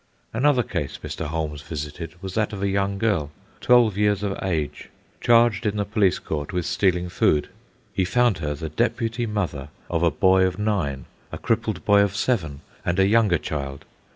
Another case Mr. Holmes visited was that of a young girl, twelve years of age, charged in the police court with stealing food. He found her the deputy mother of a boy of nine, a crippled boy of seven, and a younger child.